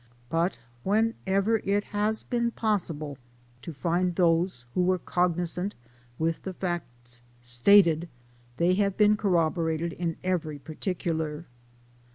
But whenever it has been possible to find those who were cognizant with the facts stated, they have been corroborated in every particular.